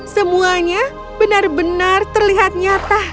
semuanya benar benar terlihat nyata